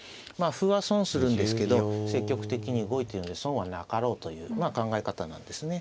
歩は損するんですけど積極的に動いているので損はなかろうという考え方なんですね。